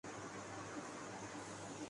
اعلانیہ وغیر اعلانیہ سیاسی اتحادیوں کو ساتھ